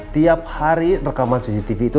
tiap hari rekaman cctv itu